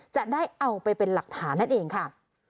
จะได้เอาไปเป็นหลักฐานนั่นเองค่ะ